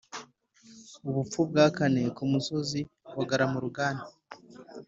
ubupfu bwa kane kumusozi wa glamorgan